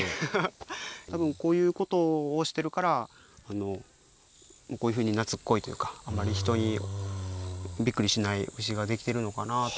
多分こういうことをしてるからこういうふうになつっこいというかあんまり人にびっくりしない牛ができてるのかなぁとは。